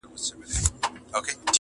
هم نسترن هم یې چینار ښکلی دی٫